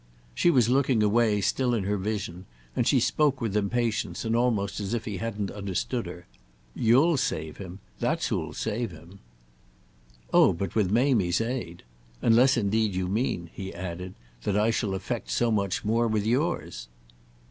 She was looking away, still in her vision, and she spoke with impatience and almost as if he hadn't understood her. "You'll save him. That's who'll save him." "Oh but with Mamie's aid. Unless indeed you mean," he added, "that I shall effect so much more with yours!"